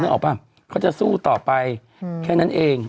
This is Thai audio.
ออกป่ะเขาจะสู้ต่อไปแค่นั้นเอง